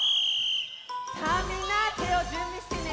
さあみんなてをじゅんびしてね。